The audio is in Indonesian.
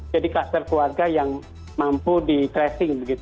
jadi kluster keluarga yang mampu di tracing